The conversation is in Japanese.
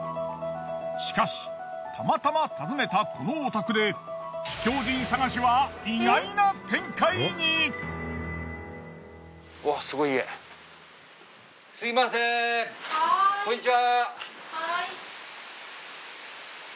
しかしたまたま訪ねたこのお宅で秘境人探しはこんにちは。